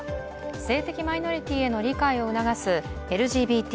性的マイノリティーへの理解を促すＬＧＢＴ